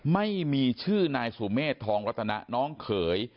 ไม่มีชื่อนายสุเมฆทองรัตนะน้องเขย